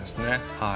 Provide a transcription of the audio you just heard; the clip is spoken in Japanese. はい。